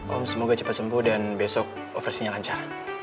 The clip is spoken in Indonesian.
om semoga cepat sembuh dan besok operasinya lancar